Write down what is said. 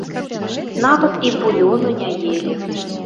Нават і булёну не елі.